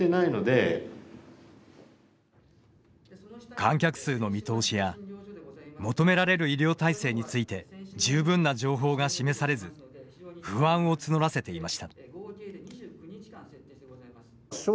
観客数の見通しや求められる医療体制について十分な情報が示されず不安を募らせていました。